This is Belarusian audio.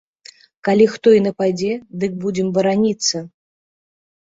Калі хто і нападзе, дык будзем бараніцца.